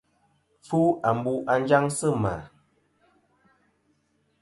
Fu ambu' à njaŋ sɨ mà.